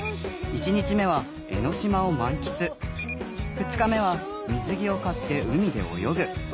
２日目は水着を買って海で泳ぐ。